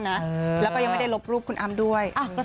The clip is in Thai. แล้วแล้วไม่ได้ลบรูปคุณอ้ามด้วย